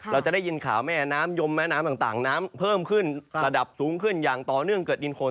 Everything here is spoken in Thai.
เราจะได้ยินข่าวแม่น้ำยมแม่น้ำต่างน้ำเพิ่มขึ้นระดับสูงขึ้นอย่างต่อเนื่องเกิดดินคน